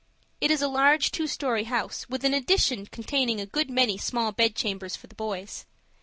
It is a large two story house, with an addition containing a good many small bed chambers for the boys.